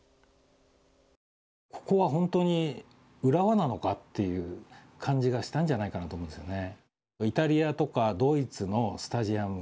ここは本当に浦和なのかという感じがしたんじゃないかなと思いますよね。